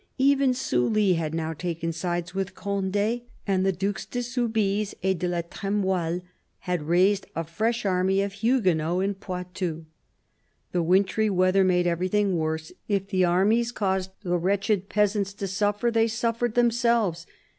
Eve_n Sully had now taken sides with Conde ; and the Dues de Soubise and de la Tremoi'lle had raised a fresh army of Huguenots in Poitou. The wintry weather made everything worse. If the armies caused the wretched peasants to suffer, they suffered themselves.